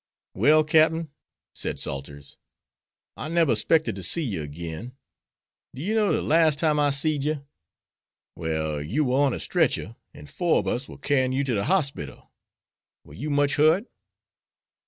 "Well, Captin," said Salters, "I neber 'spected ter see you agin. Do you know de las' time I seed yer? Well, you war on a stretcher, an' four ob us war carryin' you ter de hospital. War you much hurt?